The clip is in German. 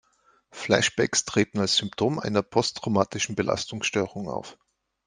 Flashbacks treten als Symptom einer Posttraumatischen Belastungsstörung auf.